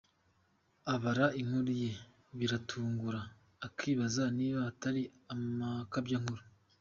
Abara inkuru ye, biragutungura ukibaza niba atari amakabyankuru.